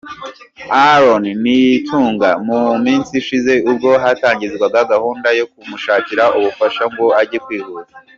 Aaron Nitunga mu minsi ishize ubwo hatangizwaga gahunda yo kumushakira ubufasha ngo ajye kwivuza.